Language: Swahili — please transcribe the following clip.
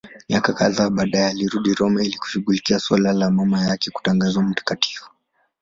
Miaka kadhaa baadaye alirudi Roma ili kushughulikia suala la mama yake kutangazwa mtakatifu.